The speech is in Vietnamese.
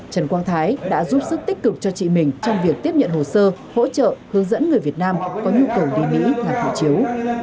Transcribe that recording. trần quang thái đã giúp sức tích cực cho chị mình trong việc tiếp nhận hồ sơ hỗ trợ hướng dẫn người việt nam có nhu cầu đi mỹ làm hộ chiếu